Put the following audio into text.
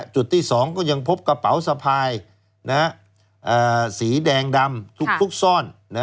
จุดที่๒ก็ยังพบกระเป๋าสะพายสีแดงดำทุกซ่อน